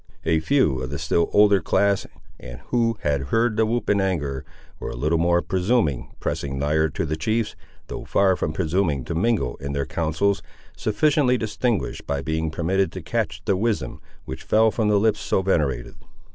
A few of the still older class, and who had heard the whoop in anger, were a little more presuming, pressing nigher to the chiefs, though far from presuming to mingle in their councils, sufficiently distinguished by being permitted to catch the wisdom which fell from lips so venerated.